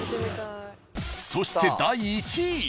［そして第１位。